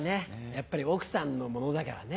やっぱり奥さんのものだからね。